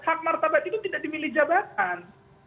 hak martabat itu tidak dipilih jabatan